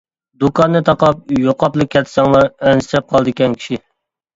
دۇكاننى تاقاپ يوقاپلا كەتسەڭلار ئەنسىرەپ قالىدىكەن كىشى.